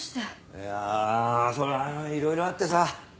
いやあそれはいろいろあってさ。